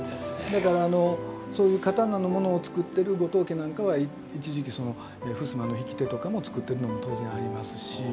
だからそういう刀のものを作ってるご当家なんかは一時期ふすまの引き手とかも作ってるのも当然ありますし。